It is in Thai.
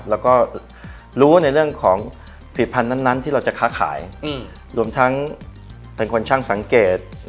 แล้วก็รู้ในเรื่องของผลิตภัณฑ์นั้นที่เราจะค้าขายรวมทั้งเป็นคนช่างสังเกต